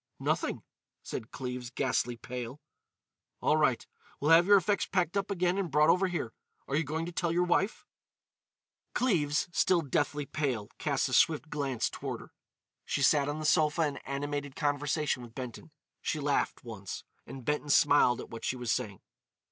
"Nothing," said Cleves, ghastly pale. "All right. We'll have your effects packed up again and brought over here. Are you going to tell your wife?" Cleves, still deathly pale, cast a swift glance toward her. She sat on the sofa in animated conversation with Benton. She laughed once, and Benton smiled at what she was saying.